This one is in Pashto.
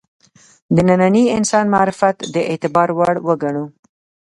د ننني انسان معرفت د اعتبار وړ وګڼو.